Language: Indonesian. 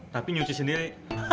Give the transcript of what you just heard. tapi nyuci sendiri